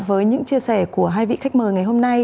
với những chia sẻ của hai vị khách mời ngày hôm nay